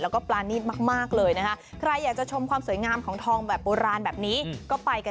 ทองเปลวไหมเอาไปแปะ